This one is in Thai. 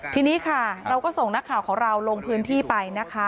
ทีนี้ค่ะเราก็ส่งนักข่าวของเราลงพื้นที่ไปนะคะ